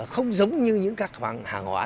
không giống như những các hàng hóa